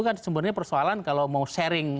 kan sebenarnya persoalan kalau mau sharing